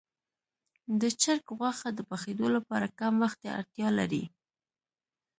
د چرګ غوښه د پخېدو لپاره کم وخت ته اړتیا لري.